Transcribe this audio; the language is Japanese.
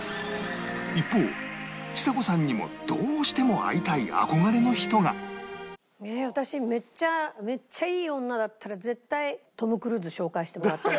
一方ちさ子さんにも私めっちゃめっちゃいい女だったら絶対トム・クルーズ紹介してもらって。